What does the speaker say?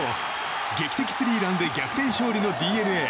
劇的スリーランで逆転勝利のＤｅＮＡ。